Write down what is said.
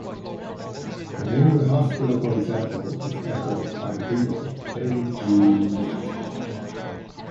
The name of the hospital, for example, is echoed by the Beatles' "Hey Jude".